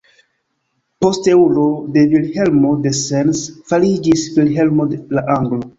Posteulo de Vilhelmo de Sens fariĝis Vilhelmo la Anglo.